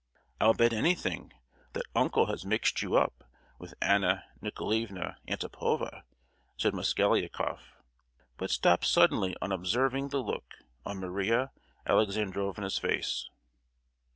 "I'll bet anything that uncle has mixed you up with Anna Nicolaevna Antipova," said Mosgliakoff, but stopped suddenly on observing the look on Maria Alexandrovna's face.